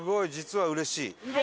はい。